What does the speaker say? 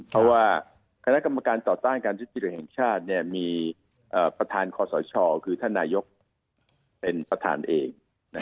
เพราะว่าคณะกรรมการต่อต้านการทุจริตแห่งชาติมีประธานคอสชคือท่านนายกเป็นประธานเอง